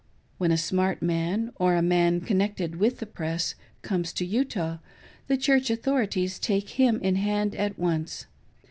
When a smart man, or a man connected with the press, comes to Utah, the Church authorities take him in hand at once.